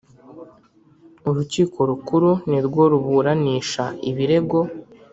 Urukiko Rukuru ni rwo ruburanisha ibirego.